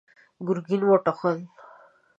ګرګين وټوخل.